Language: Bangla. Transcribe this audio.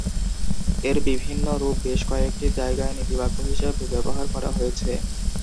এর বিভিন্ন রূপ বেশ কয়েকটি জায়গায় নীতিবাক্য হিসাবে ব্যবহার করা হয়েছে।